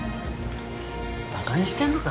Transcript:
馬鹿にしてんのか？